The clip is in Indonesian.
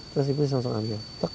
terus ibu ini langsung ambil